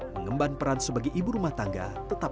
mengemban peran sebagai ibu rumah tangga tetap